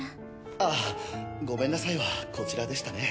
あっ「ごめんなさい」はこちらでしたね。